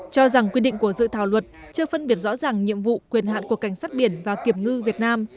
cho rằng quy định của dự thảo luật chưa phân biệt rõ ràng nhiệm vụ quyền hạn của cảnh sát biển và kiểm ngư việt nam